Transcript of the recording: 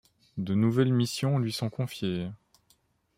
De nouvelles missions lui sont confiées.